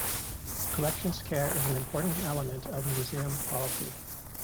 Collections care is an important element of museum policy.